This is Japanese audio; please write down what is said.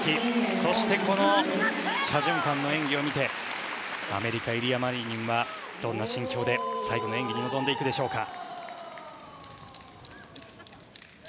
そしてチャ・ジュンファンの演技を見てアメリカ、イリア・マリニンはどんな心境で最後の演技に臨んでいくでしょうか。